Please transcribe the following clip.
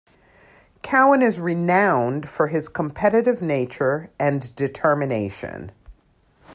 Cowan is renowned for his competitive nature and determination.